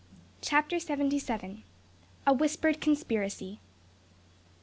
CHAPTER SEVENTY SEVEN. A WHISPERED CONSPIRACY.